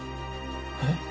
えっ？